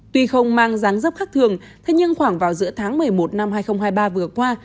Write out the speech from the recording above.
tuy không mang gián dốc khắc thường thế nhưng khoảng vào giữa tháng một mươi một năm hai nghìn hai mươi ba vừa qua